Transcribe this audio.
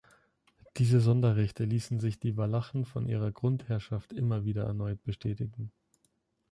Diese Sonderrechte ließen sich die Walachen von ihrer Grundherrschaft immer wieder erneut bestätigen.